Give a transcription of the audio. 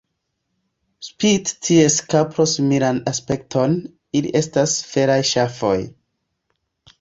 Spite ties kapro-similan aspekton, ili estas veraj ŝafoj.